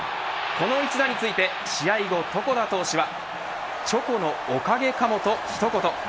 この一打について試合後、床田投手はチョコのおかげかもと一言。